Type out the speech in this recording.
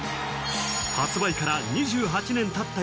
発売から２８年たった